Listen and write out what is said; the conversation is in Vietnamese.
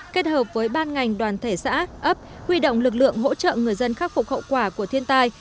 kết hợp với ban ngành đoàn thể xã ấp huy động lực lượng hỗ trợ người dân khắc phục hậu quả của thiên tai